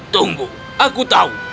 tunggu aku tahu